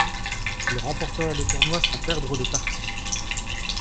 Il remporta le tournoi sans perdre de partie.